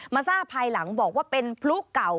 มาทราบภายหลังบอกว่าเป็นพลุเก่า